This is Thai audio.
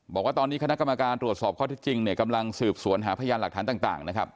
บอกว่าตอนนี้คณะกรรมการตรวจสอบข้อที่จริงเนี่ยกำลังสืบสวนหาพยานหลักฐานต่างนะครับ